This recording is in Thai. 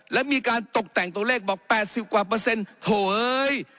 แล้วมีการตกแต่งตัวเลขบอกแปดสิบกว่าเปอร์เซ็นต์เฮ้ย